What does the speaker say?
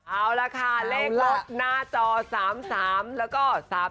เอาละค่ะเลขรถหน้าจอ๓๓แล้วก็๓๓